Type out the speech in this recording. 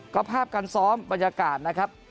ก็ภาพการซ้อมบรรยากาศนะครับ